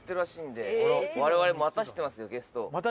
我々待たせてますよゲスト。